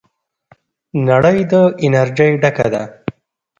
نړۍ د انرژۍ ډکه ده.